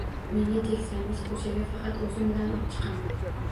Menga tegsangiz koʻchaga faqat oʻzim olib chiqaman.